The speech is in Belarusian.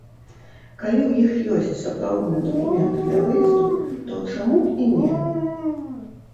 Калі ў іх ёсць сапраўдныя дакументы для выезду, то чаму б і не?